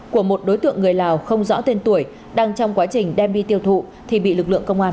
của một đối tượng người lào không rõ tên tuổi đang trong quá trình đem đi tiêu thụ thì bị lực lượng công an